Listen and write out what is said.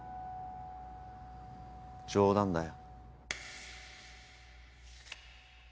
冗談だよ。